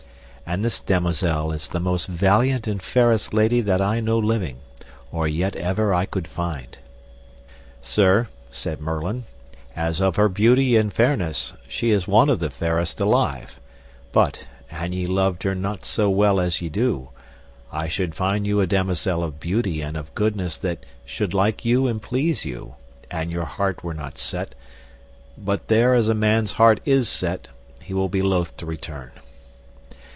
And this damosel is the most valiant and fairest lady that I know living, or yet that ever I could find. Sir, said Merlin, as of her beauty and fairness she is one of the fairest alive, but, an ye loved her not so well as ye do, I should find you a damosel of beauty and of goodness that should like you and please you, an your heart were not set; but there as a man's heart is set, he will be loath to return.